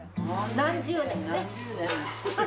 何十年？